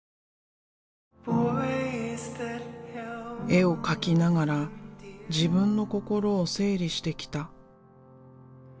絵を描きながら自分の心を整理してきた。